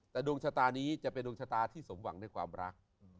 แต่ดวงชะตานี้จะเป็นดวงชะตาที่สมหวังในความรัก